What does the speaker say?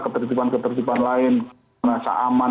ketertiban ketertiban lain merasa aman